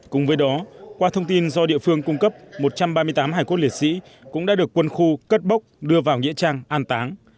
cùng với đó qua thông tin do địa phương cung cấp một trăm ba mươi tám hải cốt liệt sĩ cũng đã được quân khu cất bốc đưa vào nghĩa trang an táng